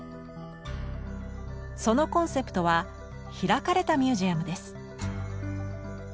そのコンセプトは「開かれたミュージアム」です。